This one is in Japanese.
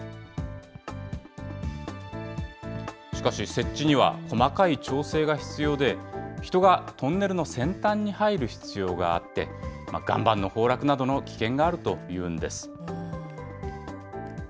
しかし、設置には細かい調整が必要で、人がトンネルの先端に入る必要があって、岩盤の崩落などの危険があるというんです。